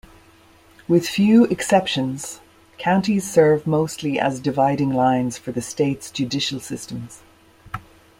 With few exceptions, counties serve mostly as dividing lines for the states' judicial systems.